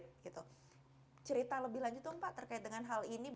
cerita lebih lanjut dong pak terkait dengan hal ini